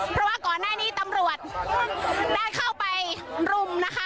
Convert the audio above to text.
เพราะว่าก่อนหน้านี้ตำรวจได้เข้าไปรุมนะคะ